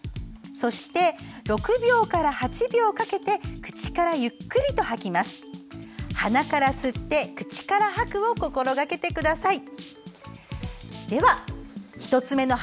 そして、６秒から８秒かけて口からゆっくりと吐きます。